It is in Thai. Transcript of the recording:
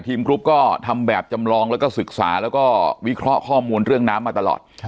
กรุ๊ปก็ทำแบบจำลองแล้วก็ศึกษาแล้วก็วิเคราะห์ข้อมูลเรื่องน้ำมาตลอด